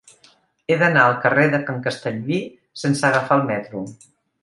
He d'anar al carrer de Can Castellví sense agafar el metro.